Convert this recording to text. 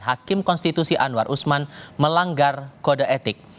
hakim konstitusi anwar usman melanggar kode etik